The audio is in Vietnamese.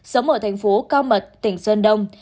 sống ở thành phố cao mật tỉnh sơn đông